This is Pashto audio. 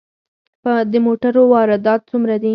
د موټرو واردات څومره دي؟